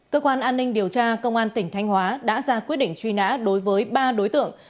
cơ quan an ninh điều tra công an tp hà nội đã ra quyết định truy nã đối với ba đối tượng